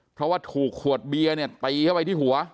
เพราะว่าถูกขวดเบียร์เนี่ยตีเข้าไปที่หัว